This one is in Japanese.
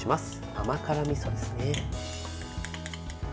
甘辛みそですね。